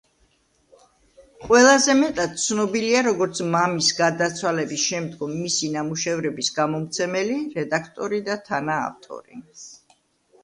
ყველაზე მეტად ცნობილია, როგორც მამის გარდაცვალების შემდგომ მისი ნამუშევრების გამომცემელი, რედაქტორი და თანაავტორი.